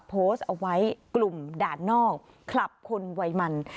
โพสต์เอาไว้กลุ่มด่านนอกคลับคนวัยมัน